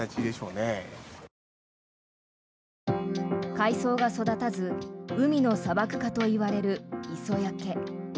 海藻が育たず海の砂漠化といわれる磯焼け。